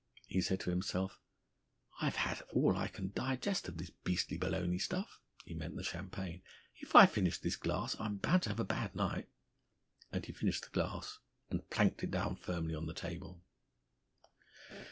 He said to himself: "I've had all I can digest of this beastly balloony stuff." (He meant the champagne.) "If I finish this glass, I'm bound to have a bad night." And he finished the glass, and planked it down firmly on the table.